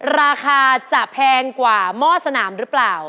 ราคาจะแพงกว่าหม้อสนามหรือเปล่า